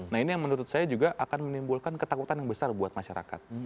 nah ini yang menurut saya juga akan menimbulkan ketakutan yang besar buat masyarakat